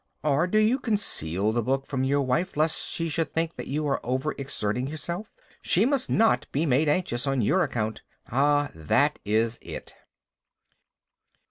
Or, do you conceal the book from your wife lest she should think that you are over exerting yourself? She must not be made anxious on your account. Ah, that is it.